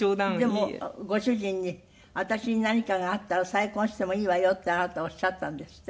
でもご主人に「私に何かがあったら再婚してもいいわよ」ってあなたおっしゃったんですって？